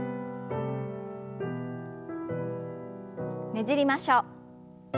ねじりましょう。